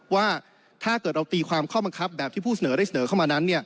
ว่าถ้าเกิดเราตีความข้อบังคับแบบที่ผู้เสนอได้เสนอเข้ามานั้น